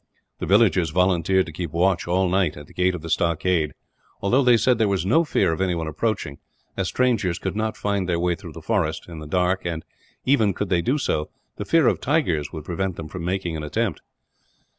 The villagers volunteered to keep watch all night, at the gate of the stockade; although they said that there was no fear of anyone approaching, as strangers could not find their way through the forest, in the dark and, even could they do so, the fear of tigers would prevent them from making the attempt.